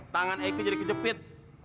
tangan eike jadi kejepit